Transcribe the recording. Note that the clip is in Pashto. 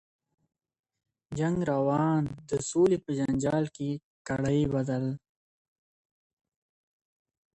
• جنگ روان ـ د سولي په جنجال کي کړې بدل.